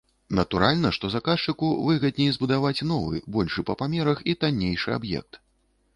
Натуральна, што заказчыку выгадней збудаваць новы, большы па памерах і таннейшы аб'ект.